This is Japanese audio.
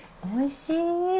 おいしいー。